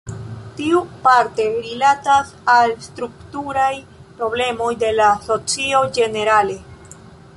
Tio parte rilatas al strukturaj problemoj de la socio ĝenerale.